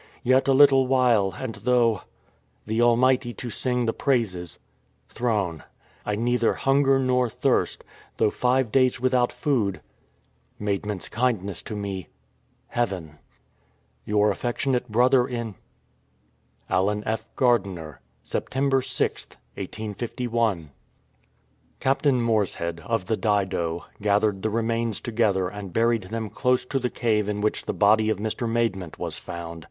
Yet a little while, and though ... the Almighty to sing the praises ... throne. I neither hunger nor thirst, though five days without food. ... Maidmcnt's kindness to me .,. heaven. " Your affectionate brother in ... "Allen F. Gardiner. " September 6th, 1851." Captain Morshead, of the Dido, gathered the re mains together and buried them close to the cave in which the body of Mr. Maidment was found.